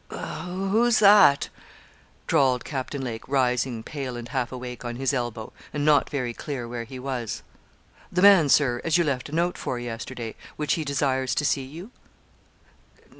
'Who's that?' drawled Captain Lake, rising, pale and half awake, on his elbow, and not very clear where he was. 'The man, Sir, as you left a note for yesterday, which he desires to see you?'